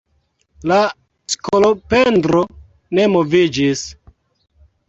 La skolopendro ne moviĝis.